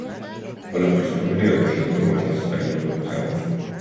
ყველასთვის ცნობილია, რომ შენობა მართლაც საიდუმლოებითაა მოცული.